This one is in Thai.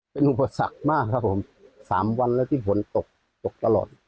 เป็นอุปสรรคมากครับผม๓วันแล้วที่ฝนตกตกตลอด